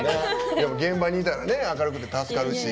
現場にいたら明るくて助かるし。